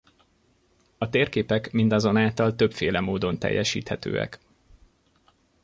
A térképek mindazonáltal többféle módon teljesíthetőek.